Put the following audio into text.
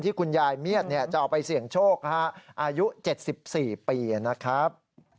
คุณยายเมียดจะเอาไปเสี่ยงโชคอายุ๗๔ปีนะครับ